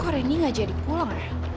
koreni ngajak pulang